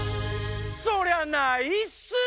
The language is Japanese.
そりゃないっすー！